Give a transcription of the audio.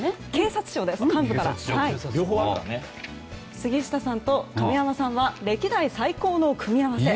杉下さんと亀山さんは歴代最高の組み合わせ。